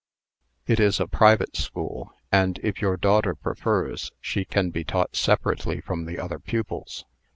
"It is a private school, and, if your daughter prefers, she can be taught separately from the other pupils.